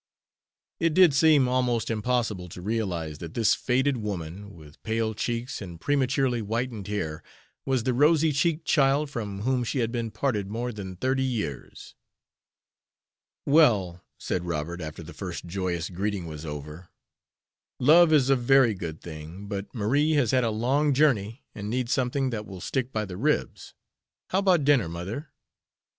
It did seem almost impossible to realize that this faded woman, with pale cheeks and prematurely whitened hair, was the rosy cheeked child from whom she had been parted more than thirty years. "Well," said Robert, after the first joyous greeting was over, "love is a very good thing, but Marie has had a long journey and needs something that will stick by the ribs. How about dinner, mother?"